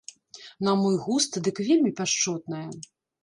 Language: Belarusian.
На мой густ, дык вельмі пяшчотнае.